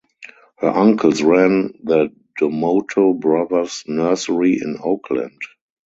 Her uncles ran the Domoto Brothers Nursery in Oakland.